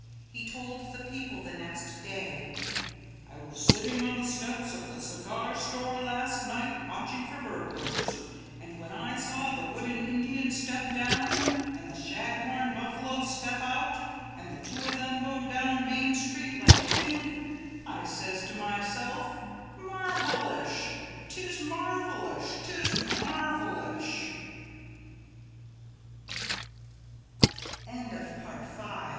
He told the people the next day, "I was sitting on the steps of the cigar store last night watching for burglars. And when I saw the Wooden Indian step down and the Shaghorn Buffalo step out, and the two of them go down Main Street like the wind, I says to myself, marvelish, 'tis marvelish, 'tis marvelish." 6. Four Stories A